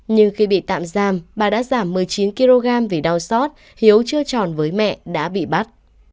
nhưng khi bị tạm giam bà đã giảm một mươi chín kg vì đau xót hiếu chưa tròn với mẹ đã bị bắt